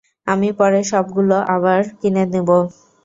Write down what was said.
আমি পরে সবগুলো আবার কিনে নিবো।